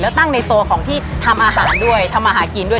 แล้วตั้งในโซนของที่ทำอาหารด้วยทำมาหากินด้วย